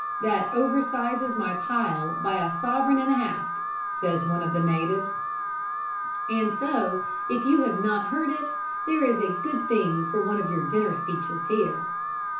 'That oversizes my pile by a sovereign and a half,' says one of the natives; and so, if you have not heard it, there is a good thing for one of your dinner speeches here."